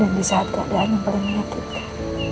dan di saat keadaan yang paling menyakitkan